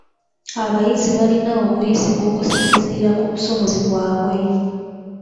Abayizi balina okuyisibwa okusinziira ku busobozi bwabwe.